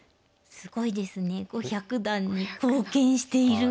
すごいですね５００段に貢献している。